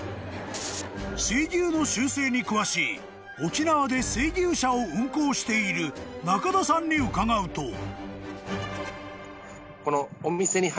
［水牛の習性に詳しい沖縄で水牛車を運行している仲田さんに伺うと］